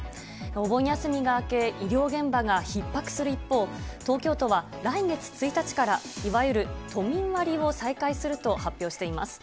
お盆休みが明け、医療現場がひっ迫する一方、東京都は来月１日から、いわゆる都民割を再開すると発表しています。